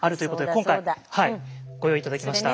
今回ご用意頂きました。